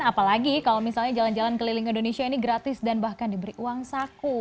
apalagi kalau misalnya jalan jalan keliling indonesia ini gratis dan bahkan diberi uang saku